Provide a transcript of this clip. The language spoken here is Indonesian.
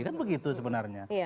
kan begitu sebenarnya